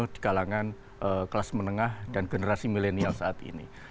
di kalangan kelas menengah dan generasi milenial saat ini